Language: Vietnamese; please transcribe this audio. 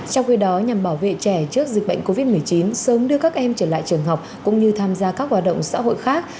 trong khi đó nhằm bảo vệ trẻ trước dịch bệnh covid một mươi chín sớm đưa các em trở lại trường học cũng như tham gia các hoạt động xã hội khác